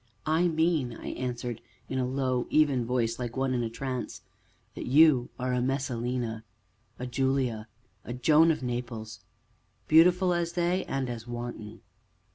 "I mean," I answered, in a low, even voice, like one in a trance, "that you are a Messalina, a Julia, a Joan of Naples, beautiful as they and as wanton."